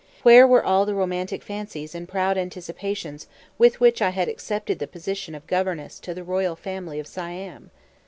Where were all the romantic fancies and proud anticipations with which I had accepted the position of governess to the royal family of Siam?